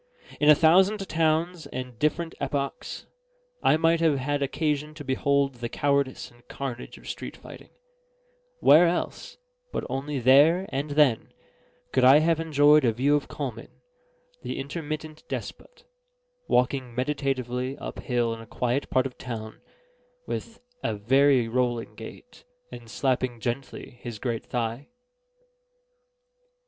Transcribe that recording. In a thousand towns and different epochs I might have had occasion to behold the cowardice and carnage of street fighting; where else, but only there and then, could I have enjoyed a view of Coleman (the intermittent despot) walking meditatively up hill in a quiet part of town, with a very rolling gait, and slapping gently his great thigh?